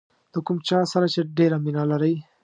د کوم چا سره چې ډېره مینه لرئ.